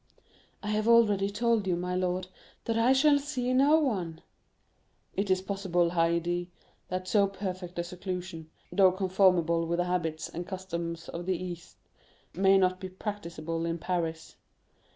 "I have already told you, my lord, that I shall see no one." "It is possible, Haydée, that so perfect a seclusion, though conformable with the habits and customs of the East, may not be practicable in Paris.